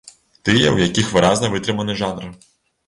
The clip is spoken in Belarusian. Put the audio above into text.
Тыя, у якіх выразна вытрыманы жанр.